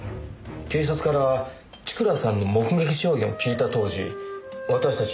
警察から千倉さんの目撃証言を聞いた当時私たち